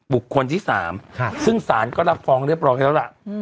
บุคคลที่๓ซึ่งสารก็รับฟ้องเรียบร้อยแล้วล่ะ